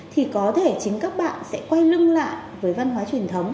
thì có thể chính các bạn sẽ quay lưng lại với văn hóa truyền thống